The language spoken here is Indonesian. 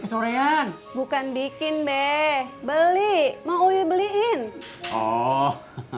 kesorean bukan bikin be beli mau dibeliin oh